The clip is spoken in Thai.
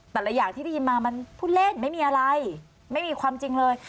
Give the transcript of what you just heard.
แต่ละอย่างที่ได้ยินมามันพูดเล่นไม่มีอะไรไม่มีความจริงเลย